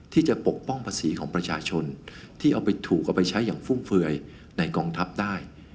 ปกป้องภาษีของประชาชนที่เอาไปถูกเอาไปใช้อย่างฟุ่มเฟือยในกองทัพได้